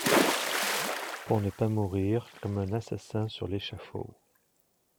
Pour ne pas mourir, comme un assassin sur l’échafaud.